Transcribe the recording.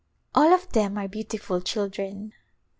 All of them are beautiful children.